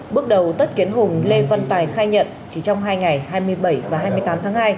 bước đầu tất kiến hùng lê văn tài khai nhận chỉ trong hai ngày hai mươi bảy và hai mươi tám tháng hai